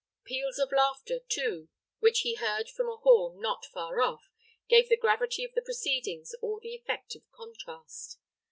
Peals of laughter, too, which he heard from a hall not far off, gave the gravity of the proceedings all the effect of contrast.